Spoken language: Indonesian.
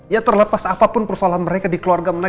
ya terlepas apapun persoalan mereka di keluarga mereka